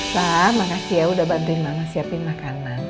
pak makasih ya udah bantuin mama siapin makanan